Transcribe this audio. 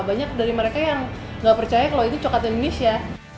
banyak dari mereka yang nggak percaya kalau itu coklat indonesia